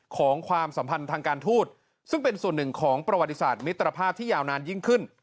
ความสัมพันธ์ทางการทูตซึ่งเป็นส่วนหนึ่งของประวัติศาสตร์มิตรภาพที่ยาวนานยิ่งขึ้น